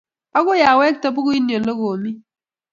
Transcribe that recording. Akoy awekte bukuini ole komi.